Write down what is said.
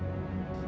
pergi ke sana